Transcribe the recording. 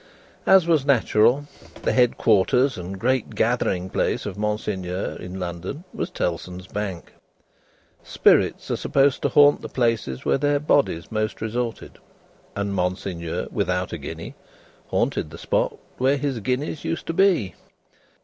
As was natural, the head quarters and great gathering place of Monseigneur, in London, was Tellson's Bank. Spirits are supposed to haunt the places where their bodies most resorted, and Monseigneur without a guinea haunted the spot where his guineas used to be.